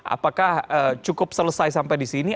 apakah cukup selesai sampai di sini